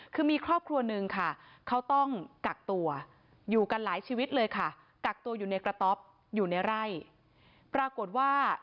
คือมีครอบครัวหนึ่งค่ะเขาต้องกักตัวอยู่กันหลายชีวิตเลยค่ะ